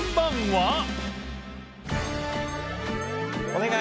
お願い。